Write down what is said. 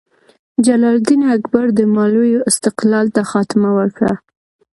جلال الدین اکبر د مالوې استقلال ته خاتمه ورکړه.